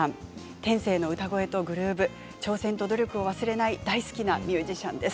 天性の歌声とグルーヴ挑戦と努力を忘れない大好きなミュージシャンです。